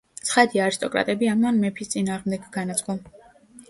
ცხადია არისტოკრატები ამან მეფის წინააღმდეგ განაწყო.